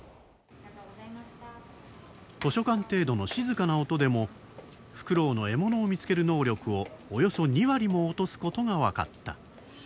図書館程度の静かな音でもフクロウの獲物を見つける能力をおよそ２割も落とすことが分かった。